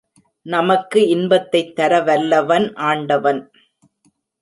நமக்கு இன்பத்தைத் தரவல்லவன் ஆண்டவன்.